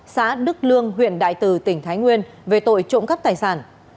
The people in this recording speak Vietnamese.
xã đức lương huyện đại từ tỉnh thái nguyên về tội trộm cắp tài sản